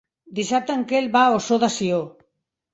Dissabte en Quel va a Ossó de Sió.